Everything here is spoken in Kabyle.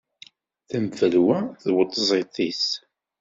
Tenfelwa tweṭzit-is.